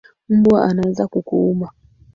Mbwa anaweza kukuuma.